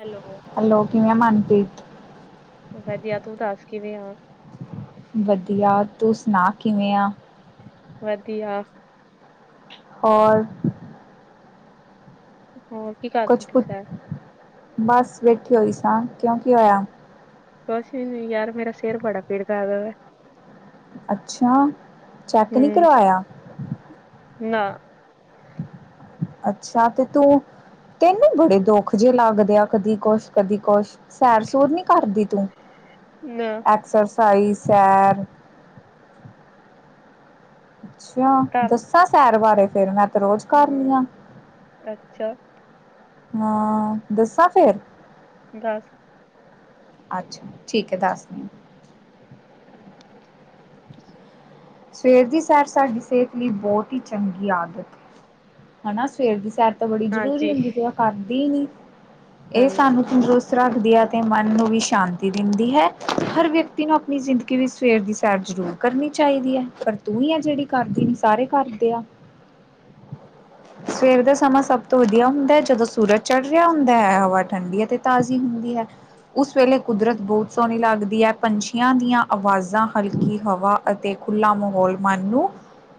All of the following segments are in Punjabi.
ਹੈਲੋ। ਹੈਲੋ ਕਿਵੇਂ ਮਨਪ੍ਰੀਤ ਵਧੀਆ ਤੂੰ ਦੱਸ ਕਿਵੇਂ ਆ ਵਧੀਆ ਤੂੰ ਸੁਨਾ ਕਿਵੇਂ ਆ ਵਧੀਆ ਹੋਲ ਹੋਰ ਕੀ ਕਰਦੀ ਕੁਛ ਪਈ ਪੁੱਛ ਸੈਂ? ਬਸ ਬੈਠੀ ਹੋਈ ਸਾਂ ਕਿਉਂ ਕੀ ਹੋਇਆ ਕੁਛ ਨੀ ਯਾਰ ਮੇਰਾ ਸਿਰ ਬੜਾ ਪੀੜ ਕ ਵਾ ਅੱਛਾ ਚੈੱਕ ਨੀ ਹੂੰ ਕਰਵਾਇਆ ਨਾ ਅੱਛਾ ਤੇ ਤੂੰ ਤੈਨੂੰ ਬੜੇ ਦੁੱਖ ਜਿਹੇ ਲੱਗਦੇ ਆ ਕਦੀ ਕੁਛ ਕਦੀ ਕੁਛ ਸੈਰ ਸੂਰ ਨੀ ਕਰਦੀ ਤੂੰ ਨਾ ਐਕਸਰਸਾਈਜ਼ ਸੈਰ ਅੱਛਾ ਘਰ ਦੱਸਾਂ ਸੈਰ ਬਾਰੇ ਫੇਰ ਮੈਂ ਤੇ ਰੋਜ਼ ਕਰ ਹੂੰ ਲਈ ਆ, ਅੱਛਾ ਹਾਂ ਦੱਸਾਂ ਫੇਰ। ਦਸ ਅੱਛਾ ਠੀਕ ਹੈ ਦੱਸ ਦਿ ਆ। ਸਵੇਰ ਦੀ ਸੈਰ ਸਾਡੀ ਸਿਹਤ ਲਈ ਬਹੁਤ ਹੀ ਚੰਗੀ ਆਦਤ, ਹਨਾ ਸਵੇਰ ਦੀ ਸੈਰ। ਤਾਂ ਬੜੀ ਜ਼ਰੂਰੀ ਹਾਂਜੀ ਹੁੰਦੀ ਪਰ ਮੈ ਕਰਦੀ ਨੀ ਇਹ ਹਾਂਜੀ ਸਾਨੂੰ ਤੰਦਰੁਸ, ਰੱਖਦੀ ਹੈ ਤੇ ਮਨ ਨੂੰ ਵੀ ਸ਼ਾਂਤੀ ਦਿੰਦੀ ਹੈ, ਹਰ ਵਿਅਕਤੀ ਨੂੰ ਆਪਣੀ ਜ਼ਿੰਦਗੀ ਵਿੱਚ ਸਵੇਰ ਦੀ ਸੈਰ ਜ਼ਰੂਰ, ਕਰਨੀ ਚਾਹੀਦੀ ਹੈ, ਪਰ ਤੂੰ ਹੀ ਆ ਜਿਹੜੀ ਕਰਦੀ ਨੀ ਸਾਰੇ ਕਰਦੇ ਆ। ਸਵੇਰ ਦਾ ਸਮਾਂ ਸਭ ਤੋਂ ਵਧੀਆ ਹੁੰਦਾ ਹੈ, ਜਦੋਂ ਸੂਰਜ ਚੜ ਰਿਹਾ ਹੁੰਦਾ ਹੈ ਹਵਾ ਠੰਡੀ ਅਤੇ ਤਾਜ਼ੀ ਹੁੰਦੀ ਹੈ। ਉਸ ਵੇਲੇ ਕੁਦਰਤ ਬਹੁਤ ਸੋਹਣੀ ਲੱਗਦੀ ਹੈ, ਪੰਛੀਆਂ ਦੀਆਂ ਆਵਾਜ਼ਾਂ ਹਲਕੀ ਹਵਾ ਅਤੇ, ਖੁੱਲਾ ਮਾਹੌਲ ਮਨ ਨੂੰ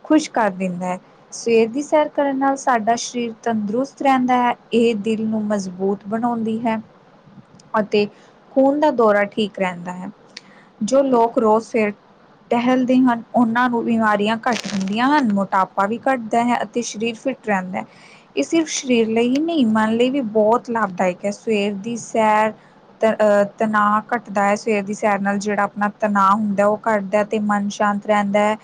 ਖੁਸ਼ ਕਰ ਦਿੰਦਾ ਹੈ। ਸਵੇਰ ਦੀ ਸੈਰ ਕਰਨ ਨਾਲ ਸਾਡਾ ਸਰੀਰ ਤੰਦਰੁਸਤ ਰਹਿੰਦਾ ਹੈ, ਇਹ ਦਿਲ ਨੂੰ ਮਜ਼ਬੂਤ ਬਣਾਉਂਦੀ ਹੈ, ਅਤੇ ਖੂਨ ਦਾ ਦੌਰਾ ਠੀਕ ਰਹਿੰਦਾ ਹੈ। ਜੋ ਲੋਕ ਰੋਜ਼ ਫੇਰ ਟਹਿਲਦੇ ਹਨ, ਉਹਨਾਂ ਨੂੰ ਬਿਮਾਰੀਆਂ ਘੱਟ ਦਿੰਦੀਆਂ ਹਨ, ਮੋਟਾਪਾ ਵੀ ਘੱਟਦਾ ਹੈ, ਅਤੇ ਸਰੀਰ ਫਿੱਟ ਰਹਿੰਦਾ ਹੈ। ਇਹ ਸਿਰਫ ਸਰੀਰ ਲਈ ਹੀ ਨਹੀਂ, ਮਨ ਲਈ ਵੀ ਬਹੁਤ ਲਾਭਦਾਇਕ ਹੈ ਸਵੇਰ ਦੀ ਸੈਰ। ਤ ਤਨਾਅ ਘੱਟਦਾ ਹੈ ਸਵੇਰ ਦੀ ਸੈਰ ਨਾਲ ਜਿਹੜਾ ਆਪਣਾ ਤਣਾਅ ਹੁੰਦਾ ਉਹ ਘੱਟਦਾ ਅਤੇ ਮਨ ਸ਼ਾਂਤ ਰਹਿੰਦਾ ਐ।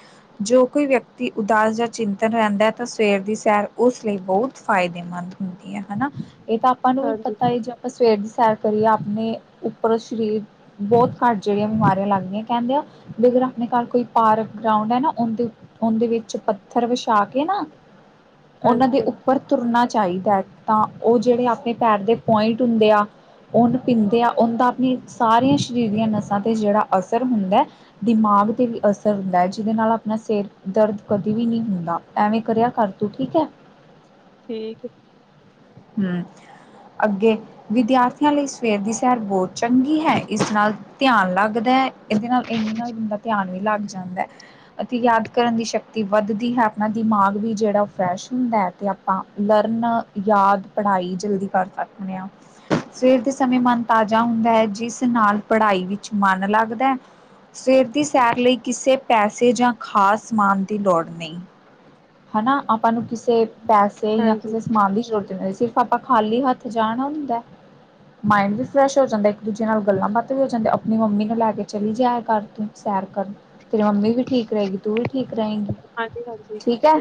ਜੋ ਕੋਈ ਵਿਅਕਤੀ ਉਦਾਸ ਜਾਂ ਚਿੰਤਨ ਰਹਿੰਦਾ ਤਾਂ ਸਵੇਰ ਦੀ ਸੈਰ ਉਸ ਲਈ ਬਹੁਤ ਫਾਇਦੇਮੰਦ, ਹੁੰਦੀ ਹੈ ਹਨਾ, ਇਹ ਤਾਂ ਆਪਾਂ ਨੂੰ ਵੀ ਹਾਂਜੀ ਪਤਾ ਹੈ। ਸਵੇਰ ਦੀ ਸੈਰ ਕਰੀਏ ਆਪਣੇ ਉੱਪਰ ਸਰੀਰ, ਬਹੁਤ ਘੱਟ ਜਿਹੜੀਆਂ ਬਿਮਾਰੀਆਂ ਲੱਗ ਦਿਈਆਂ, ਕਹਿੰਦੇ ਆ ਵੀ ਅਗਰ ਨਿਕਾਲ ਕੋਈ, ਪਾਰਕ ਗਰਾਉਂਡ ਹੈ ਨਾ ਉਹਦੇ- ਉਹਦੇ ਵਿੱਚ ਪੱਥਰ ਵਿਛਾ ਕੇ ਨਾ, ਉਹਨਾਂ ਹਾਂਜੀ ਦੇ ਹਾਂਜੀ ਉੱਪਰ ਤੁਰਨਾ ਚਾਹੀਦਾ ਹੈ, ਤਾਂ ਉਹ ਜਿਹੜੇ ਆਪਣੇ ਪੈਰ ਦੇ ਪੁਆਇੰਟ ਹੁੰਦੇ ਆ। ਉਨ ਪੀਂਦੇ ਆ ਉਹਦਾ ਆਪਣੀ ਸਾਰੀਆਂ ਸਰੀਰ ਦੀਆਂ ਨਸਾਂ ਤੇ ਜਿਹੜਾ ਅਸਰ ਹੁੰਦਾ ਐ। ਦਿਮਾਗ ਤੇ ਵੀ ਅਸਰ ਹੁੰਦਾ ਹੈ, ਜਿਹਦੇ ਨਾਲ ਆਪਣਾ ਸਿਰ ਦਰਦ ਕਦੇ ਵੀ ਨਹੀਂ ਹੁੰਦਾ ਐਵੇਂ ਕਰਿਆ ਕਰ ਤੂੰ, ਠੀਕ ਹੈ। ਠੀਕ, ਹੂੰ ਅੱਗੇ ਵਿਦਿਆਰਥੀਆਂ ਲਈ ਸਵੇਰ ਦੀ ਸੈਰ ਬਹੁਤ ਚੰਗੀ ਹੈ, ਇਸ ਨਾਲ ਧਿਆਨ ਲੱਗਦਾ ਹੈ, ਇਹਦੇ ਨਾਲ ਇਹਦੇ ਨਾਲ ਬੰਦਾ ਧਿਆਨ ਵੀ ਲੱਗ ਜਾਂਦਾ ਏ। ਅਤੇ ਯਾਦ ਕਰਨ ਦੀ ਸ਼ਕਤੀ ਵੱਧਦੀ ਹੈ, ਆਪਣਾ ਦਿਮਾਗ ਵੀ ਜਿਹੜਾ ਫਰੈਸ਼ ਹੁੰਦਾ ਹੈ, ਤੇ ਆਪਾਂ ਲਰਨ, ਯਾਦ, ਪੜਾਈ ਜਲਦੀ ਕਰ ਸਕਦੇ ਹਾਂ। ਸਵੇਰ ਦੇ ਸਮੇਂ ਮਨ ਤਾਜ਼ਾ ਹੁੰਦਾ ਹੈ। ਜਿਸ ਨਾਲ ਪੜਾਈ ਵਿੱਚ ਮਨ ਲੱਗਦਾ ਹੈ, ਸਵੇਰ ਦੀ ਸੈਰ ਲਈ ਕਿਸੇ ਪੈਸੇ ਜਾਂ ਖਾਸ ਸਮਾਨ ਦੀ ਲੋੜ ਨਹੀਂ। ਹਨਾ ਆਪਾਂ ਨੂੰ ਕਿਸੇ ਪੈਸੇ ਜਾਂ ਹਾਂਜੀ ਕਿਸੇ ਸਮਾਨ ਦੀ ਜ਼ਰੂਰਤ ਸਿਰਫ਼ ਆਪਾਂ ਖਾਲੀ ਹੱਥ ਜਾਣਾ ਹੁੰਦਾ ਐ। ਮਾਇੰਡ ਵੀ ਫਰੈਸ਼ ਹੋ ਜਾਂਦਾ ਐ, ਇੱਕ ਦੂਜੇ ਨਾਲ ਗੱਲਾਂ ਬਾਤ ਵੀ ਹੋ ਜਾਂਦੀ ਆਪਣੀ ਮੰਮੀ ਨੂੰ ਲੈ ਕੇ ਚਲੀ ਜਾਇਆ ਕਰ ਤੁੰ। ਸੈਰ ਕਰਨ ਤੇਰੀ ਮੰਮੀ ਵੀ ਠੀਕ ਰਹੇਗੀ, ਤੂੰ ਵੀ ਠੀਕ ਰਹੇਗੀ। ਹਾਂਜੀ- ਹਾਂਜੀ। ਠੀਕ ਹੈ,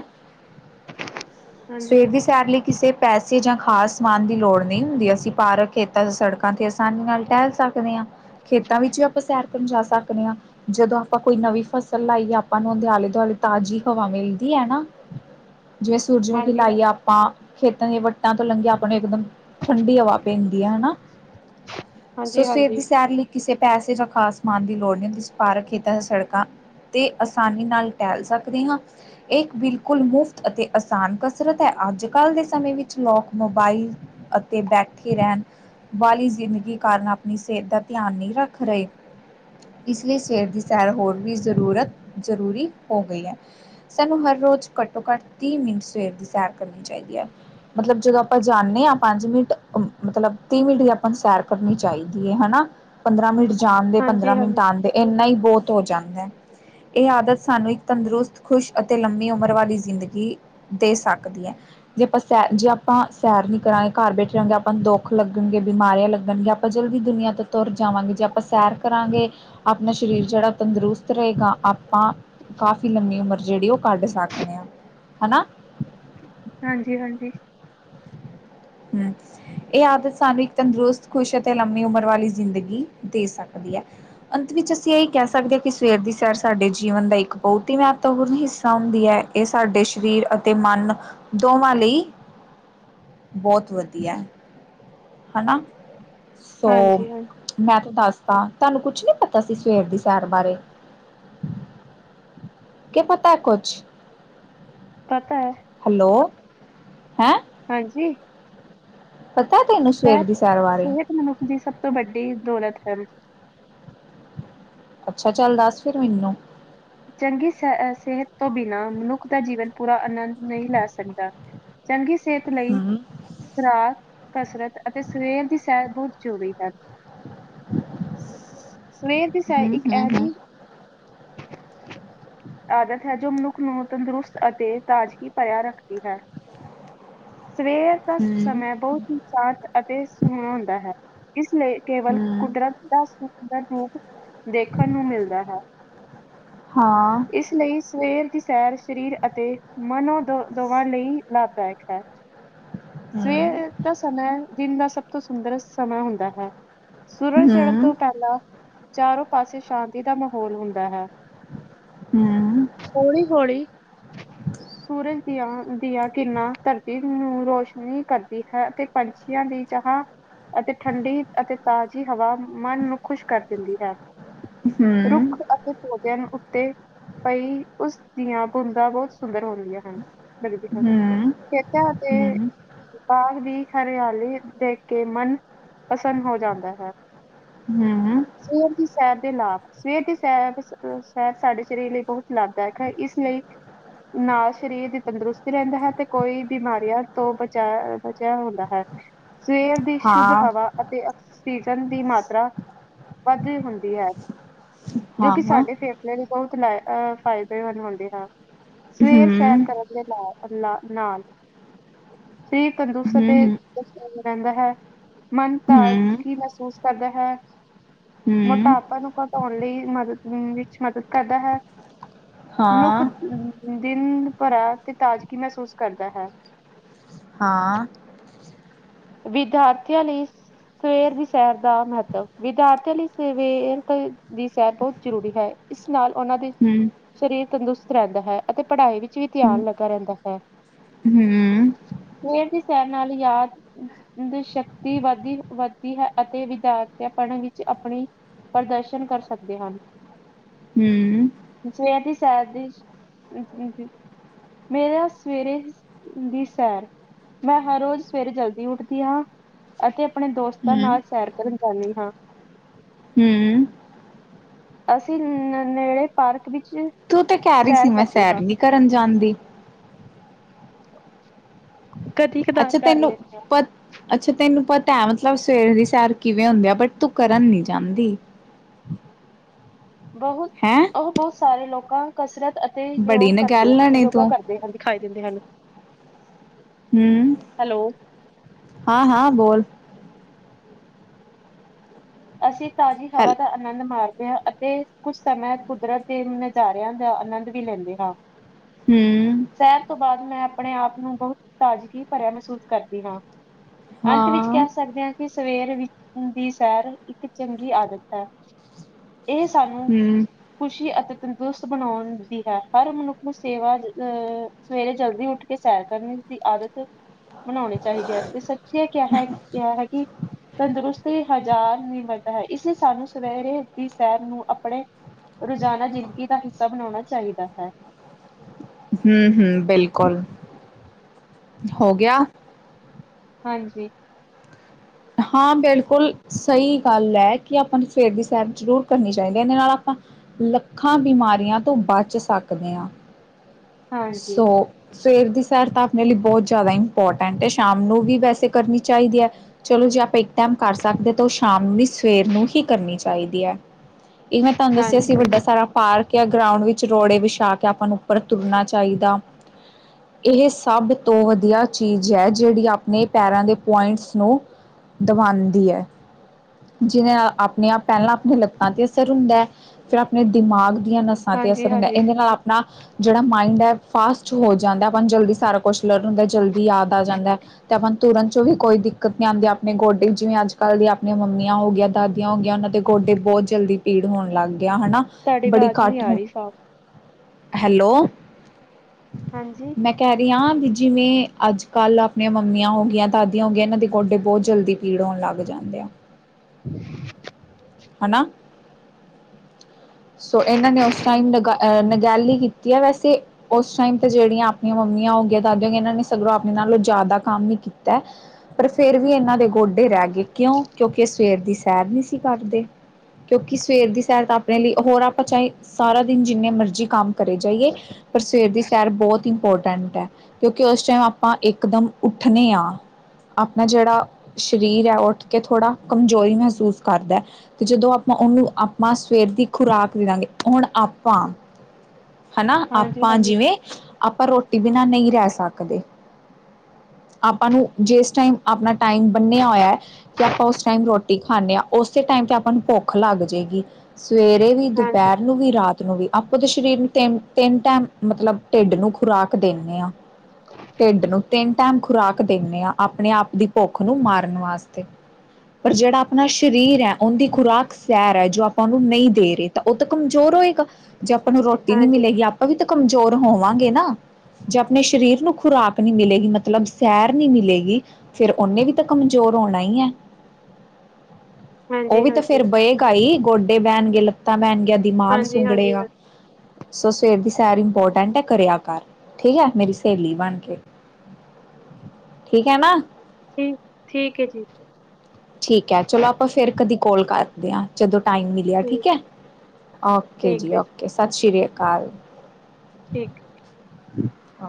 ਹਾਂਜੀ ਸਵੇਰ ਦੀ ਸੈ- ਸੈਰ ਲਈ ਕਿਸੇ ਪੈਸੇ ਜਾਂ ਖਾਸ ਸਮਾਨ ਦੀ ਲੋੜ ਨਹੀਂ ਹੁੰਦੀ ਐ ਅਸੀਂ ਪਾਰਕ, ਖੇਤਾਂ, ਸੜਕਾਂ ਤੇ ਆਸਾਨੀ ਨਾਲ ਟਹਿਲ ਸਕ- ਸਕਦੇ ਹਾਂ, ਖੇਤਾਂ ਵਿੱਚ ਵੀ ਆਪਾਂ ਸੈਰ ਕਰਨ ਜਾ ਸਕਦੇ ਹਾਂ। ਜਦੋਂ ਆਪਾਂ ਕੋਈ ਨਵੀਂ ਫ਼ਸਲ ਲਾਈਏ, ਆਪਾਂ ਨੂੰ ਹਦੇ ਆਲੇ ਦੁਆਲੇ ਤਾਜ਼ੀ ਹਵਾ ਮਿਲ ਹੈ ਨਾ, ਜਿਵੇਂ ਹਾਂਜੀ ਸੂਰਜਮੁਖਲਾਾਈਏ ਆਪਾਂ ਖੇਤਾਂ ਦੀਆਂ ਵੱਟਾਂ ਤੋਂ ਲੰਘਿਆ, ਆਪਣੇ ਇੱਕਦਮ ਠੰਢਡੀ ਹਵਾ ਪੈਂਦੀ ਹੈ ਹਨਾ, ਸੋ ਹਾਂਜੀ ਹਾਂਜੀ ਸਵੇਰ ਦੀ ਹਾਂਜੀ ਸੈਰ ਲਈ ਕਿਸੇ ਪੈਸੇ ਜਾਂ ਖਾਸ ਸਮਾਨ ਦੀ ਲੋੜ ਨਹੀਂ ਹੁੰਦੀ। ਪਾਰਕ, ਖੇਤਾ, ਸੜਕਾਂ ਤੇ, ਆਸਾਨੀ ਨਾਲ ਟਹਿਲ ਸਕਦੇ ਹਾਂ। ਇਹ ਬਿਲਕੁਲ ਮੁਫ਼ਤ ਅਤੇ ਆਸਾਨ ਕਸਰਤ ਹੈ। ਅੱਜ ਕੱਲ੍ਹ ਦੇ ਸਮੇਂ ਵਿੱਚ ਲੋਕ ਮੋਬਾਈਲ ਅਤੇ, ਬੈਠੇ ਰਹਿਣ ਵਾਲੀ ਜ਼ਿੰਦਗੀ ਕਾਰਨ, ਆਪਣੀ ਸਿਹਤ ਦਾ ਧਿਆਨ ਨਹੀਂ ਰੱਖ ਰਹੇ। ਇਸ ਲਈ ਸਵੇਰ ਦੀ ਸੈਰ, ਹੋਰ ਵੀ ਜ਼ਰੂਰਤ, ਜ਼ਰੂਰੀ ਹੋ ਗਈ ਹੈ। ਸਾਨੂੰ ਹਰ ਰੋਜ਼ ਘੱਟੋ ਘੱਟ, ਤੀਹ ਮਿੰਟ ਸਵੇਰ ਦੀ ਸੈਰ ਕਰਨੀ ਚਾਹੀਦੀ ਹੈ। ਮਤਲਬ ਜਦੋਂ ਆਪਾਂ ਜਾਂਦੇ ਹਾਂ, ਪੰਜ ਮਿੰਟ ਮਤਲਬ ਤੀਹ ਮਿੰਟ ਦੀ, ਆਪਾਂ ਨੂੰ ਸੈਰ ਕਰਨੀ ਚਾਹੀਦੀ ਹੈ, ਹਨਾ। ਪੰਦਰਾਂ ਮਿੰਟ ਜਾਣਦੇ, ਹਾਂਜੀ ਪੰਦਰਾਂ ਮਿੰਟ ਆਉਣਦੇ ਇੰਨਾ ਹੀ ਬਹੁਤ ਹੋ ਜਾਂਦਾ ਹੈ। ਇਹ ਆਦਤ ਸਾਨੂੰ ਇੱਕ ਤੰਦਰੁਸਤ, ਖੁਸ਼ ਅਤੇ ਲੰਮੀ ਉਮਰ ਵਾਲੀ, ਜ਼ਿੰਦਗੀ ਦੇ ਸਕਦੀ ਹੈ। ਜੇ ਆਪਾਂ ਸੈਰ, ਜੇ ਆਪਾਂ ਸੈਰ ਨੀ ਕਰਾਂਗੇ, ਘਰ ਬੈਠੇ ਰਹਾਂਗੇ। ਆਪਾਂ ਨੂੰ ਦੁੱਖ ਲੱਗਣਗੇ, ਬਿਮਾਰੀਆਂ ਲੱਗਣਗੀਆਂ ਆਪਾਂ ਆਪਾਂ ਜਲਦੀ ਦੁਨੀਆ ਤੋਂ ਤੁਰ ਜਾਵਾਂਗੇ, ਜੇ ਆਪਾਂ ਸੈਰ ਕਰਾਂਗੇ ਆਪਣਾ ਸਰੀਰ ਜਿਹੜਾ ਤੰਦਰੁਸਤ ਰਹੇਗਾ, ਆਪਾਂ ਕਾਫ਼ੀ ਲੰਮੀ ਉਮਰ ਜ ਉਹ ਕੱਢ ਸਕਦੇ ਆ, ਹਨਾ ਹਾਂਜੀ, ਹਾਂਜੀ। ਹਮ। ਇਹ ਆਦਤ ਸਾਨੂੰ ਇੱਕ ਤੰਦਰੁਸਤ, ਖੁਸ਼ ਅਤੇ ਲੰਮੀ ਉਮਰ ਵਾਲੀ ਜ਼ਿੰਦਗੀ ਦੇ ਸਕਦੀ ਹੈ। ਅੰਤ ਵਿੱਚ ਅਸੀਂ ਇਹੀ ਕਹਿ ਸਕਦੇ ਹਾਂ, ਕਿ ਸਵੇਰ ਦੀ ਸੈਰ ਸਾਡੇ ਜੀਵਨ ਦਾ, ਇੱਕ ਬਹੁਤ ਹੀ ਮਹੱਤਵਪੂਰਨ ਹਿੱਸਾ ਹੁੰਦੀ ਹੈ। ਇਹ, ਸਾਡੇ ਸਰੀਰ ਅਤੇ ਮਨ ਦੋਵਾਂ ਲਈ ਬਹੁਤ ਵਧੀਆ, ਹਨਾ। ਸੋ ਹਾਂਜੀ ਹਾਂਜੀ ਮੈਂ ਤਾਂੂੰ ਦੱਸ ਹ, ਤੁਹਾਨੂੰ ਕੁਛ ਨੀ ਪਤਾ ਸੀ, ਸਵੇਰ ਦੀ ਸੈਰ ਬਾਰੇ? ਕਿ ਪਤਾ ਕੁਛ? ਪਤਾ ਹੈ। ਹੈਲੋ, ਹੈਂ ਹਾਂਜੀ? ਪਤਾ ਤੈਨੂੰ, ਸਵੇਰ ਸਿਹਤ ਦੀ ਸੈਰ ਬਾਰੇ? ਸਿਹਤ ਮਨੁੱਖ ਦੀ, ਸਭ ਤੋਂ ਵੱਡੀ ਦੌਲਤ ਹੈ। ਅੱਛਾ, ਚੱਲ ਦੱਸ ਫਿਰ ਮੈਨੂੰ। ਚੰਗੀ ਸ ਸਿਹਤ ਤੋਂ ਬਿਨਾਂ, ਮਨੁੱਖ ਦਾ ਜੀਵਨ ਪੂਰਾ ਆਨੰਦ ਨਹੀਂ ਲੈ ਸਕਦਾ। ਚੰਗੀ ਸਿਹਤ ਲਈ ਹੂੰ ਖੁਰਾਕ, ਕਸਰਤ ਅਤੇ ਸਵੇਰ ਦੀ ਸੈਰ ਬਹੁਤ ਜ਼ਰੂਰੀ ਹੈ। ਸਵੇਰ ਦੀ ਸੈਰ, ਹੂੰ ਇੱਕ ਹੂੰ ਇਹ ਹੂੰ ਜਿਹੀ ਆਦਤ ਹੈ, ਜੋ ਮਨੁੱਖ ਨੂੰ ਤੰਦਰੁਸਤ ਅਤੇ ਤਾਜ਼ਗੀ ਭਰਿਆ ਰੱਖਦੀ ਹੈ। ਸਵੇਰ ਦਾ ਹੂੰ ਸਮਾਂ, ਬਹੁਤ ਹੀ ਸ਼ਾਂਤ ਅਤੇ ਸੋਹਣਾ ਹੁੰਦਾ ਹੈ। ਇਸ ਲਈ, ਕੇਵਲ ਹੂੰ ਕੁਦਰਤ ਦਾ ਸੁੰਦਰ ਰੂਪ ਦੇਖਣ ਨੂੰ ਮਿਲਦਾ ਹੈ। ਹਾਂ। ਇਸ ਲਈ ਸਵੇਰ ਦੀ ਸੈਰ, ਸਰੀਰ ਅਤੇ ਮਨੋ ਦੋ ਦੋਵਾਂ ਲਈ ਲਾਭਦਾਇਕ ਹੈ। ਹੂੰ ਸਵੇਰ ਦਾ ਸਮਾਂ, ਦਿਨ ਦਾ ਸਭ ਤੋਂ ਸੁੰਦਰ ਸਮਾਂ ਹੁੰਦਾ ਹੈ। ਹੂੰ ਸੁਰਜ ਚੜ੍ਹਨ ਹੂੰ ਤੋਂ ਪਹਿਲਾਂ ਚਾਰੋਂ ਪਾਸੇ ਸ਼ਾਂਤੀ ਦਾ ਮਾਹੌਲ ਹੁੰਦਾ ਹੈ। ਹੂੰ ਹੌਲੀ- ਹੌਲੀ। ਸੂਰਜ ਦੀਆਂ ਦੀਆਂ ਕਿਰਨਾਂ, ਧਰਤੀ ਨੂੰ ਰੋਸ਼ਨੀ ਕਰਦੀ ਹੈ ਅਤੇ ਪੰਛੀਆਂ ਦੀ ਚਾਹ ਅਤੇ ਠੰਡੀ ਅਤੇ ਤਾਜ਼ੀ ਹਵਾ, ਮਨ ਨੂੰ ਖੁਸ਼ ਕਰ ਦਿੰਦੀ ਹੈ। ਹਮ। ਸੋਗਏ ਹਨ ਉੱਤੇ ਪਈ ਉਸ ਦੀਆਂ ਬੂੰਦਾਂ ਬਹੁਤ ਸੁੰਦਰ ਹੁੰਦੀਆਂ ਹਨ ਲੱਗਦੀਆਂ ਹਨ ਹੂੰ ਖੇਤਾਂ। ਤੇ ਹੂੰ ਬਾਗ ਦੀ ਹਰਿਆਲੀ ਦੇ ਕੇ ਮਨ। ਪ੍ਰਸੰਨ ਹੋ ਜਾਂਦਾ ਹੈ, ਸਵੇਰ ਦੀ ਸੈਰ ਦੇ ਲਾਭ ਸਵੇਰ ਦੀ। ਪੈਰ [unintelligible] ਸਾਡੇ ਸ਼ਰੀਰ ਲਈ ਬਹੁਤ ਲਾਭਦਾਇਕ ਹੈ ਇਸ ਲਈ ਨਾਲ ਸਰੀਰ ਦੀ ਤੰਦਰੁਸਤੀ ਰਹਿੰਦਾ ਹੈ, ਤੇ ਕੋਈ ਬਿਮਾਰੀਆਂ ਤੋਂ ਬਚਾ ਬਚਿਆ ਹੁੰਦਾ ਹੈ। ਸਵੇਰ ਦੀ ਹਾਂ ਸ਼ੁੱਧ ਹਾਂ ਹਵਾ ਅਤੇ ਆਕਸੀਜਨ ਦੀ, ਮਾਤਰਾ ਵੱਧਦੀ ਹੁੰਦੀ ਹੈ। ਜੋ ਕਿ ਹੂੰ ਸਾਡੇ ਫੇਸਲੇ ਲਈ ਬਹੁਤ ਲ ਫਾਇਦੇਮੰਦ ਹੁੰਦੇ ਹਨ ਹੂੰ ਸਵੇਰ ਸੈਰ ਹੂੰ ਕਰਨ ਲ ਅ ਨਾਲ ਸ਼ਰੀਰ ਤੰਦਰੁਸਤ ਤੇ ਹੂੰ [inaudible] ਰਹਿੰਦਾ ਹੈ। ਮਨ ਤਾਜ਼ਗੀ ਮਹਿਸੂਸ ਕਰਦਾ ਹੈ, ਹੂੰ ਮੋਟਾਪਾ ਨੂੰ ਘਟਾਉਣ ਲਈ ਮਦਦ ਵਿੱਚ ਮਦਦ ਕਰਦਾ ਹੈ ਮਨੁੱਖ ਅ ਹਾਂ ਦਿਨ ਭਰਾ ਤੇ ਤਾਜ਼ਗੀ ਮਹਿਸੂਸ ਕਰਦਾ ਹੈ। ਹਾਂ। ਵਿਦਿਆਰਥੀਆਂ ਲਈ ਸਵੇਰ ਦੀ ਸੈਰ ਦਾ ਮਹੱਤਵ, ਵਿਦਿਆਰਥੀਆਂ ਲਈ ਸਵੇਰ ਤੇ ਦੀ ਸੈਰ ਬਹੁਤ ਜ਼ਰੂਰੀ ਹੈ, ਇਸ ਨਾਲ ਉਹਨਾਂ ਦੇ ਹੂੰ ਸ਼ਰੀਰ ਤੰਦਰੁਸਤ ਰਹਿੰਦਾ ਹੈ, ਅਤੇ ਪੜ੍ਹਾਈ ਵਿੱਚ ਵੀ ਧਿਆਨ ਲੱਗਾ ਰਹਿੰਦਾ ਹੈ। ਹਮ। ਸਵੇਰ ਦੀ ਸੈਰ ਨਾਲ ਯਾਦ ਦੀ ਸ਼ਕਤੀ ਵੱਧਦੀ-ਵੱਧਦੀ ਹੈ, ਅਤੇ ਵਿਦਿਆਰਥੀਆਂ ਪੜ੍ਹਨ ਵਿੱਚ ਆਪਣੀ ਪ੍ਰਦਰਸ਼ਨ ਕਰ ਸਕਦੇ ਹਨ। ਹਮ। ਸਵੇਰ ਦੀ ਸੈਰ ਦੀ ਮੇਰਾ ਸਵੇਰੇ ਦੀ ਸੈਰ, ਮੈਂ ਹਰ ਰੋਜ਼ ਸਵੇਰੇ ਜਲਦੀ। ਉੱਠਦੀ ਹਾਂ ਅਤੇ ਆਪਣੇ ਦੋਸਤਾਂ ਹੂੰ ਨਾਲ ਸੈਰ ਕਰਨ ਜਾਂਦੀ ਹਾਂ। ਹੂੰ ਅਸੀਂ ਨੇੜੇ ਪਾਰਕ ਵਿੱਚ। ਤੂੰ ਤੇ ਕਹਿ ਰਹੀ ਸੀ, ਮੈਂ ਕਰਦੇ ਸੈਰ ਹਾਂ ਨਹੀਂ ਕਰਨ ਜਾਂਦੀ। ਕਦੀ ਕਦਾਰ ਅੱਛਾ ਕਰ ਤੈਨੂੰ ਲੈਂਦੇ ਅੱਛਾ ਤੈਨੂੰ ਪਤਾ ਹੈ, ਮਤਲਬ ਸਵੇਰ ਦੀ ਸੈਰ ਕਿਵੇਂ ਹੁੰਦੀ ਆ, ਬਟ ਤੂੰ ਕਰਨ ਨੀ ਜਾਂਦੀ। ਬਹੁਤ ਹੈਂ ਉਹ ਬਹੁਤ ਸਾਰੇ ਲੋਕਾ ਕਸਰਤ ਅਤੇ ਯੋਗ ਬੜੀ ਕਰਦੇ ਨਗੈਲਣ ਏ ਯੋਗਾ ਤੂੰ ਕਰਦੇ ਹਨ। ਦਖਾਈ ਦਿੰਦੇ ਹਨ ਹਮ ਹੈਲੋ ਹਾਂ ਹਾਂ ਬੋਲ ਅਸੀਂ ਤਾਜ਼ੀ ਹਵਾ ਹੈਲ ਤਾਂ ਆਨੰਦ ਮਾਰਦੇ ਹਾਂ ਅਤੇ ਕੁਛ ਸਮੇਂ ਕੁਦਰਤ ਦੇ ਨਜ਼ਾਰਿਆਂ ਦਾ ਆਨੰਦ ਵੀ ਲੈਂਦੇ ਹਾਂ [unintelligible] ਹਮ। ਸੈਰ ਤੋਂ ਬਾਅਦ, ਮੈਂ ਆਪਣੇ ਆਪ ਨੂੰ ਬਹੁਤ ਤਾਜ਼ਗੀ ਭਰਿਆ ਮਹਿਸੂਸ ਕਰਦੀ ਹਾਂ। ਅੰਤ ਹਾਂ ਵਿੱਚ ਕਹਿ ਸਕਦੇ ਹਾਂ, ਕਿ ਸਵੇਰ ਵਿੱਚ ਦੀ ਸੈਰ ਇੱਕ ਚੰਗੀ ਆਦਤ ਹੈ। ਇਹ ਸਾਨੂੰ ਹੂੰ ਖੁਸ਼ੀ ਅਤੇ ਤੰਦਰੁਸਤ ਬਣਾਉਣ ਦੀ ਹੈ, ਹਰ ਮਨੁੱਖ ਨੂੰ ਸੇਵਾ ਅਹ ਸਵੇਰੇ ਜਲਦੀ ਉੱਠ ਕੇ, ਸੈਰ ਕਰਨ ਦੀ ਆਦਤ ਬਣਾਉਣੇ ਚਾਹੀਦੇ ਹੈ, ਤੇ ਸੱਚ ਹੀ ਕਿਹਾ- ਕਿਹਾ ਹੈ ਕਿ ਤੰਦਰੁਸਤੀ ਹਜ਼ਾਰ ਮਿਲਦਾ ਹੈ, ਇਸ ਲਈ ਸਾਨੂੰ ਸਵੇਰੇ ਦੀ ਸੈਰ ਨੂੰ ਆਪਣੇ ਰੋਜ਼ਾਨਾ, ਜ਼ਿੰਦਗੀ ਦਾ ਹਿੱਸਾ ਬਣਾਉਣਾ ਚਾਹੀਦਾ ਹੈ। ਹਮ ਹਮ, ਬਿਲਕੁਲ, ਹੋ ਗਿਆ? ਹਾਂਜੀ। ਹਾਂ, ਬਿਲਕੁਲ ਸਹੀ ਗੱਲ ਹੈ, ਕਿ ਆਪਾਂ ਨੂੰ ਸਵੇਰ ਦੀ ਸੈਰ ਜ਼ਰੂਰ ਕਰਨੀ ਚਾਹੀਦੀ ਹੈ। ਇਹਦੇ ਨਾਲ ਆਪਾਂ ਲੱਖਾਂ ਬਿਮਾਰੀਆਂ ਤੋਂ ਬਚ ਸਕਦੇ ਹਾਂ। ਹਾਂਜੀ ਸੋ ਸਵੇਰ ਦੀ ਸੈਰ ਤਾ ਆਪਣੇ ਲਈ, ਬਹੁਤ ਜ਼ਿਆਦਾ ਇੰਪੋਰਟੈਂਟ ਹੈ, ਸ਼ਾਮ ਨੂੰ ਵੀ ਵੈਸੇ ਕਰਨੀ ਚਾਹੀਦੀ ਹੈ। ਚਲੋ ਜੇ ਆਪਾਂ ਇੱਕ ਟਾਈਮ ਕਰ ਸਕਦੇ, ਤਾਂ ਉਹ ਸ਼ਾਮ ਨੂੰ ਨਹੀਂ, ਸਵੇਰ ਨੂੰ ਹੀ ਕਰਨੀ ਚਾਹੀਦੀ ਹੈ। ਇਹ ਮੈਂ ਤੁਹਾਨੂੰ ਦੱਸਿਆ ਸੀ, ਹਾਂਜੀ ਵੱਡਾ ਸਾਰਾ ਪਾਰਕ ਜਾਂ ਗਰਾਂਉਡ ਵਿੱਚ ਰੋੜੇ ਵਿਛਾ ਕੇ, ਆਪਾਂ ਨੂੰ ਉੱਪਰ ਤੁਰਨਾ ਚਾਹੀਦਾ ਇਹ ਸਭ ਤੋਂ ਵਧੀਆ ਚੀਜ਼ ਹੈ, ਜਿਹੜੀ ਆਪਣੇ ਪੈਰਾਂ ਦੇ ਪੁਆਇੰਟਸ ਨੂੰ ਦਬਾਂਦੀ ਹੈ। ਜਿਹੇ ਆਪਣੇ ਆਪ ਪਹਿਲਾਂ ਆਪਣੇ ਲੱਤਾਂ ਤੇ ਅਸਰ ਹੁੰਦਾ ਹੈ, ਫੇਰ ਆਪਣੇ ਦਿਮਾਗ ਦੀਆਂ ਨਸਾਂ ਤੇ ਹਾਂਜੀ ਅਸਰ ਹੁੰਦਾ, ਹਾਂਜੀ ਇਹਦੇ ਨਾਲ ਆਪਣਾ ਜਿਹੜਾ ਮਾਇੰਡ ਹੈ ਫਾਸਟ ਹੋ ਜਾਂਦਾ, ਆਪਾਂ ਨੂੰ ਜਲਦੀ ਸਾਰਾ ਕੁਛ ਲਰਨ ਹੁੰਦਾ, ਜਲਦੀ ਯਾਦ ਆ ਜਾਂਦਾ ਹੈ, ਤੇ ਆਪਾਂ ਤੁਰਨ 'ਚੋਂ ਵੀ ਕੋਈ ਦਿ ਕਤ ਨਹੀਂ ਆਉਂਦੀ, ਆਪਣੇ ਗੋਡੇ ਜਿਵੇਂ ਅੱਜ ਕੱਲ੍ਹ ਦੀਆਂ ਆਪਣੀਆਂ ਮੰਮੀਆਂ ਹੋ ਗਈ, ਦਾਦੀਆਂ ਹੋ ਗਈਆਂ, ਉਹਨਾਂ ਦੇ ਗੋਡੇ ਬਹੁਤ ਜਲਦੀ ਪੀੜ ਹੋਣ ਲੱਗ ਗਿਆ, ਹੈਨਾ ਤੁਹਾਡੀ ਆਵਾਜ਼ ਨੀ ਆ ਰਹੀ, ਸਾਫ਼ ਹੈਲੋ। ਹਾਂਜੀ। ਮੈਂ ਕਹਿ ਰਹੀ ਹਾਂ, ਵੀ ਜਿਵੇਂ ਅੱਜ ਕੱਲ੍ਹ ਆਪਣੀਆਂ ਮੰਮੀਆਂ ਹੋ ਗਈਆਂ, ਦਾਦੀਆਂ ਹੋ ਗਈਆਂ, ਇਹਨਾਂ ਦੇ ਗੋਡੇ ਬਹੁਤ ਜਲਦੀ ਪੀੜ ਹੋਣ ਲੱਗ ਜਾਂਦੇ ਆ। [unintelligible] ਹੈਨਾ? ਸੋ ਇਹਨਾਂ ਨੇ ਉਸ ਟਾਈਮ, ਨਗਹਿਲੀ ਕੀਤੀ ਹੈ ਵੈਸੇ ਉਸ ਟਾਈਮ ਤੇ ਜਿਹੜੀਆਂ ਆਪਣੀਆਂ ਮੰਮੀਆਂ ਹੋਗੀਆਂ, ਦਾਦੀ ਹੋ ਗਈਆਂ, ਇਹਨਾਂ ਨੇ ਸਗਰੋਂ ਆਪਣੇ ਨਾਲੋਂ ਜ਼ਿਆਦਾ ਕੰਮ ਹੀ ਕੀਤਾ ਪਰ, ਫੇਰ ਵੀ ਇਹਨਾਂ ਦੇ ਗੋਡੇ ਰਹਿ ਗਏ ਕਿਉਂ, ਕਿਉਂਕਿ ਸਵੇਰ ਦੀ ਸੈਰ ਨਹੀਂ ਸੀ ਕਰਦੇ। ਕਿਉਂਕਿ ਸਵੇਰ ਦੀ ਸੈਰ ਤਾਂ ਆਪ ਆਪਣੇ ਲਈ, ਹੋਰ ਆਪਾਂ ਚਾਹੇ ਸਾਰਾ ਦਿਨ ਜਿੰਨੇ ਮਰਜ਼ੀ ਕੰਮ ਕਰੇ ਜਾਈਏ, ਪਰ ਸਵੇਰ ਦੀ ਸੈਰ ਬਹੁਤ ਇੰਪੋਰਟੈਂਟ ਹੈ, ਕਿਉਂਕਿ ਉਸ ਟਾਈਮ ਆਪਾਂ ਇਕਦਮ ਉੱਠਣੇੇ ਹਾਂ ਆਪਣਾ ਜਿਹੜਾ ਸਰੀਰ ਹੈ, ਉੱਠ ਕੇ ਥੋੜ੍ਹਾ ਕਮਜ਼ੋਰੀ ਮਹਿਸੂਸ ਕਰਦੈ। ਤੇ ਜਦੋਂ, ਆਪਾਂ ਉਹਨੂੰ ਆਪਾਂ ਸਵੇਰ ਦੀ ਖੁਰਾਕ ਦੇ ਦਾਂਗੇ, ਹੁਣ ਆਪਾਂ, ਹੈਨਾ ਹਾਂਜੀ ਆਪਾਂ ਹਾਂਜੀ ਜਿਵੇਂ ਆਪਾਂ, ਰੋਟੀ ਬਿਨਾਂ ਨਹੀਂ ਰਹਿ ਸਕਦੇ ਆਪਾਂ ਨੂੰ ਜਿਸ ਟਾਈਮ, ਆਪਣਾ ਟਾਈਮ ਬੰਨਿਆ ਹੋਇਆ ਹੈ। ਕਿ ਆਪਾਂ ਉਸ ਟਾਈਮ ਰੋਟੀ ਖਾਂਦੇ ਹਾਂ, ਉਸੇ ਟਾਈਮ ਤੇ ਆਪਾਂ ਨੂੰ ਭੁੱਖ ਲੱਗ ਜਾਏਗੀ। ਸਵੇਰੇ ਵੀ ਹਾਂਜੀ ਦੁਪਹਿਰ ਨੂੰ ਵੀ ਰਾਤ ਨੂੰ ਵੀ ਆਪਾਂ ਤਾਂ ਸ਼ਰੀਰ ਨੂੰ ਤਿੰਨ ਤਿੰਨ ਟਾਈਮ ਮਤਲਬ ਟੇਡ ਨੂੰ ਖੁਰਾਕ ਦਿੰਨੇ ਆਂ। ਢਿੱਡ ਨੂੰ ਤਿੰਨ ਟਾਈਮ ਖੁਰਾਕ ਦਿੰਨੇ ਆਂ ਆਪਣੇ ਆਪ ਦੀ ਭੁੱਖ ਨੂੰ ਮਾਰਨ ਵਾਸਤੇ। ਪਰ ਜੇੜਾ ਆਪਣਾ ਸ਼ਰੀਰ ਹੈ ਉਹਦੀ ਖੁਰਾਕ ਸੈਰ ਹੈ ਜੋ ਆਪਾਂ ਔਨੂੰ ਨਹੀਂ ਦੇ ਰਹੇ ਤਾਂ ਉਹ ਤਾਂ ਕਮਜ਼ੋਰ ਹੋਏਗਾ ਜੇ ਆਪਾਂ ਨੂੰ ਰੋਟੀ ਨਹੀਂ ਹਾਂਜੀ ਮਿਲੇਗੀ ਆਪ ਔਹ ਵੀ ਤਾਂ ਕਮਜ਼ੋਰ ਹੋਵਾਂਗੇ ਨਾ। ਜੇ ਆਪਣੇ ਸ਼ਰੀਰ ਨੂੰ ਖੁਰਾਕ ਨਹੀਂ ਮਿਲੇਗੀ ਮਤਲਬ ਸੈਰ ਨਹੀਂ ਮਿਲੇਗੀ ਫੇਰ ਉਹਨੇ ਵੀ ਤਾਂ ਕਮਜ਼ੋਰ ਹੋਣਾ ਈ ਹੈ। ਉਹ ਹਾਂਜੀ ਵੀ ਤਾਂ ਫੇਰ ਬਹੇਗਾ ਈ ਗੋਡੇ ਬਹਿਣਗੇ ਲੱਤਾਂ ਬਹਿਣ ਗਿਆਂ ਦੀਮਾਾਨ ਹਾਂਜੀ ਹਾਂਜੀ ਸੁੰਗੜੇਗਾ। ਹਾਂਜੀ ਸੋ ਸਵੇਰ ਦੀ ਸੈਰ ਇੰਪੋਰਟੈਂਟ ਹੈ ਕਰਿਆ ਕਰ ਠੀਕ ਹੈ ਮੇਰੀ ਸਹੇਲੀ ਬਣ ਕੇ। ਠੀਕ ਹੈ ਨਾ? ਹੂੰ ਠੀਕ ਏ ਜੀ। ਠੀਕ ਹੈ ਚਲੋ ਆਪਾਂ ਫੇਰ ਕਦੀ ਕੋਲ ਕਰਦੇ ਆਂ ਜਦੋਂ ਟਾਈਮ ਮਿਲੇ ਮਿਲਯਾ ਠੀਕ ਹੈ? ਓਕੇ ਠੀਕ ਜੀ ਹੈ ਓਕੇ ਸਤਿ ਸ੍ਰੀ ਅਕਾਲ। ਠੀਕ। ਓਕੇ